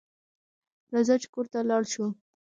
راځه چې کور ته لاړ شو